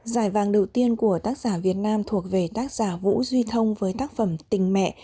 giải vàng đầu tiên của tác giả việt nam thuộc về tác giả vũ duy thông với tác phẩm tình mẹ